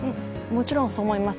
もちろんそう思います。